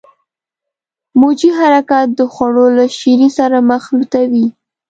موجي حرکات د خوړو له شیرې سره مخلوطوي.